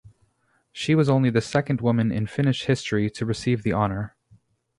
She was only the second woman in Finnish history to receive the honour.